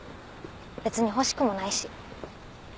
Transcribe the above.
別に欲しくもないし。